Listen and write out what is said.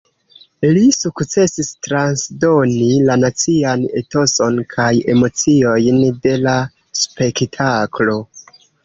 Li sukcesis transdoni la nacian etoson kaj emociojn de la spektaklo.